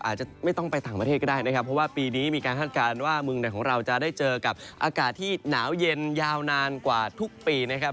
อาจจะไม่ต้องไปต่างประเทศก็ได้นะครับเพราะว่าปีนี้มีการคาดการณ์ว่าเมืองไหนของเราจะได้เจอกับอากาศที่หนาวเย็นยาวนานกว่าทุกปีนะครับ